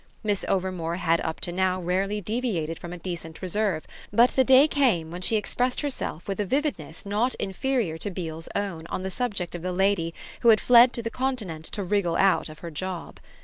Miss Overmore had up to now rarely deviated from a decent reserve, but the day came when she expressed herself with a vividness not inferior to Beale's own on the subject of the lady who had fled to the Continent to wriggle out of her job.